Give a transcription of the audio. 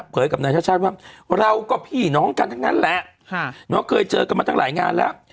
กับนายชาติชาติว่าเราก็พี่น้องกันทั้งนั้นแหละเคยเจอกันมาตั้งหลายงานแล้ว